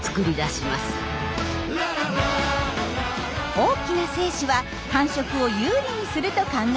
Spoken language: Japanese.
大きな精子は繁殖を有利にすると考えられています。